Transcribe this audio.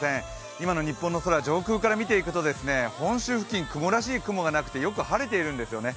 今の日本の空、上空から見ていくと本州付近、雲らしい雲がなくてよく晴れているんですよね。